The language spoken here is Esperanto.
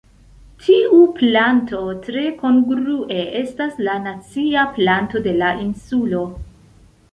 Tiu planto tre kongrue estas la nacia planto de la insulo.